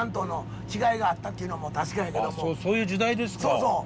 そうそう。